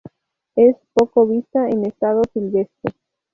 Es poco vista en estado silvestre.